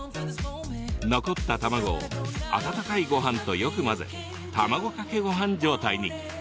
残った卵を温かいごはんとよく混ぜ、卵かけごはん状態に。